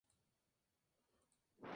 Tenía una hija, Gerberga.